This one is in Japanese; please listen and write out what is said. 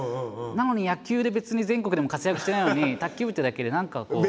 なのに野球で別に全国でも活躍してないのに卓球部ってだけで何かこう。